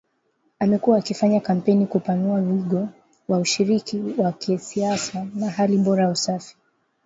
amekuwa akifanya kampeni kupanua wigo wa ushiriki wa kisiasa na hali bora ya usafi